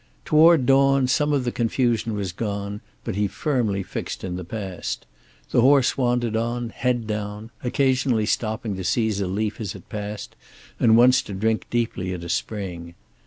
Toward dawn some of the confusion was gone, but he firmly fixed in the past. The horse wandered on, head down, occasionally stopping to seize a leaf as it passed, and once to drink deeply at a spring.